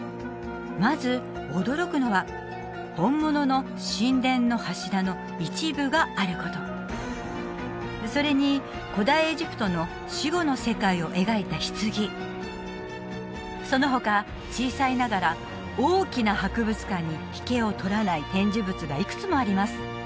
まず驚くのは本物の神殿の柱の一部があることそれに古代エジプトの死後の世界を描いた棺その他小さいながら大きな博物館に引けをとらない展示物がいくつもあります